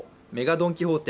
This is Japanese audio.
ドン・キホーテ